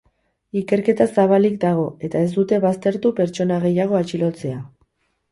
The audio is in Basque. Ikerketa zabalik dago eta ez dute baztertu pertsona gehiago atxilotzea.